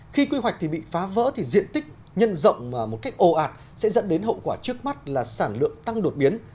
khi quy hoạch thì bị phá vỡ thì diện tích nhân rộng một cách ồ ạt sẽ dẫn đến hậu quả trước mắt là sản lượng tăng đột biến